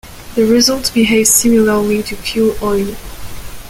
The result behaves similarly to fuel oil.